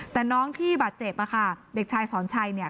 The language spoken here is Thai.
แต่น้องที่บาดเจ็บอะค่ะเด็กชายสอนชัยเนี่ย